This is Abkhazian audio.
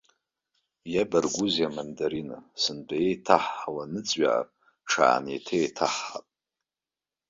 Иабаргәузеи амандарина, сынтәа еиҭаҳҳауа ныҵҩаар, ҽааны еиҭа еиҭаҳҳап.